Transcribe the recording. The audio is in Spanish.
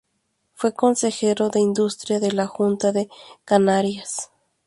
Fue Consejero de Industria de la Junta de Canarias.